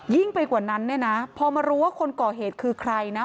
ยิ่งไปกว่านั้นเนี่ยนะพอมารู้ว่าคนก่อเหตุคือใครนะ